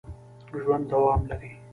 ژوند دوام لري